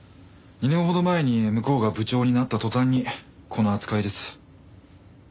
２年ほど前に向こうが部長になった途端にこの扱いです。